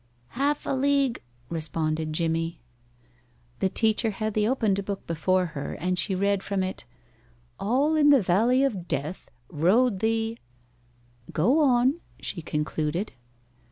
"Half a league," responded Jimmie. The teacher had the opened book before her, and she read from it: "'All in the valley of Death Rode the ' Go on," she concluded.